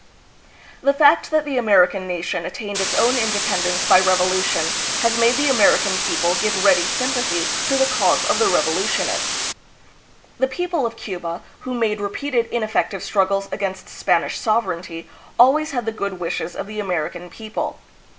The fact that the American nation attained its own independence by revolution has made the American people give ready sympathy to the cause of the revolutionist. 292 THE PHILIPPINES. The people of Cuba, who made repeated ineffective strug gles against Spanish sovereignty, always had the good wishes of the American people.